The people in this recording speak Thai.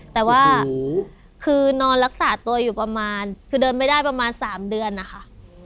แต่ว่าคือนอนรักษาตัวอยู่ประมาณคือเดินไม่ได้ประมาณ๓เดือนนะคะ